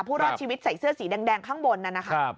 รอดชีวิตใส่เสื้อสีแดงข้างบนนั่นนะคะ